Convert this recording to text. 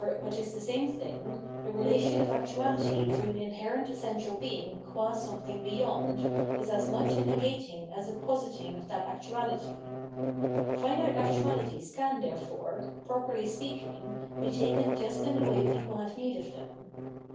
what is the same thing, the relation of aotu^ty to an inherent essential being qua something beyoid, is as much a negating as a positing of that actuaj^y^ Finite actuahties can, therefore, properly speakjjg^ be taken just in the way people have need of them.